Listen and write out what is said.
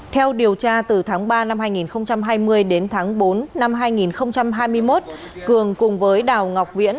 theo điều tra từ tháng ba năm hai nghìn hai mươi đến tháng bốn năm hai nghìn hai mươi một cường cùng với đào ngọc viễn